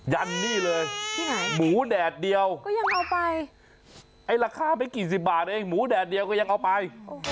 ยันนี่เลยหมูแดดเดียวไอ้ราคาไม่กี่สิบบาทเองหมูแดดเดียวก็ยังเอาไป